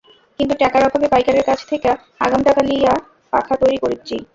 কিন্তু ট্যাকার অভাবে পাইকারের কাছ থ্যাকা আগাম টাকা লিয়্যা পাখা তৈরি করিচ্চি।